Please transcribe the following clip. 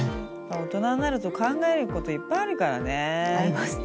大人になると考えることいっぱいあるからね。ありますね。